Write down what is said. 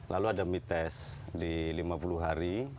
lalu ada mites di lima puluh hari